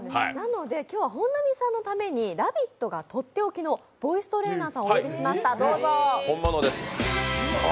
今日は本並さんのためにとっておきのボイストレーナーさんをお呼びしました。